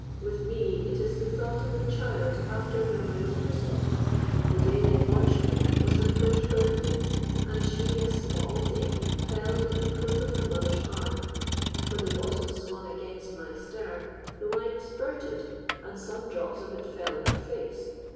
With me it is the thought of the child after whom I was christened. The day they launched me was her first birthday, and she a small thing held in the crook of her mother's arm: when the bottle swung against my stem the wine spurted, and some drops of it fell on her face.